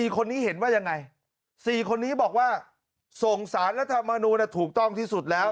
๔คนนี้เห็นว่ายังไง๔คนนี้บอกว่าส่งสารรัฐมนูลถูกต้องที่สุดแล้ว